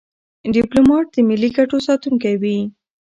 ډيپلومات د ملي ګټو ساتونکی وي.